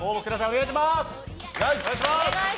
お願いします。